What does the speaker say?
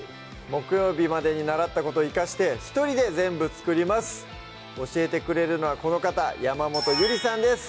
木曜日までに習ったこと生かして一人で全部作ります教えてくれるのはこの方山本ゆりさんです